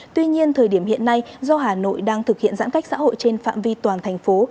tuy nhiên thời điểm hiện nay do hà nội đang thực hiện giãn cách xã hội trên phạm vi toàn thành phố